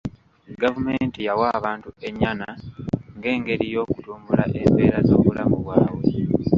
Gavumenti yawa abantu ennyana ng'engeri y'okutumbula embeera z'obulamu bwabwe.